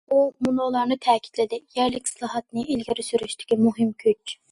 ئۇ مۇنۇلارنى تەكىتلىدى: يەرلىك ئىسلاھاتنى ئىلگىرى سۈرۈشتىكى مۇھىم كۈچ.